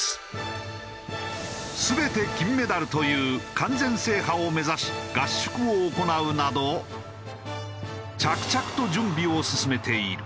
全て金メダルという完全制覇を目指し合宿を行うなど着々と準備を進めている。